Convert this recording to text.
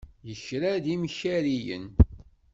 Yekra-d imkariyen.